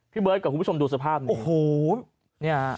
พี่เบิร์ตกับคุณผู้ชมดูสภาพนี้โอ้โหนี่ฮะ